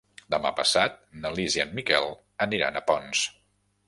Demà passat na Lis i en Miquel aniran a Ponts.